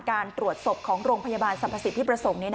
การตรวจศพของโรงพยาบาลสรรพสิทธิประสงค์